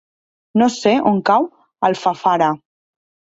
No sé on cau Alfafara.